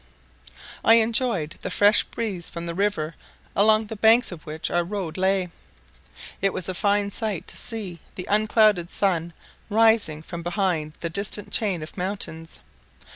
I enjoyed the fresh breeze from the river along the banks of which our road lay. It was a fine sight to see the unclouded sun rising from behind the distant chain of mountains.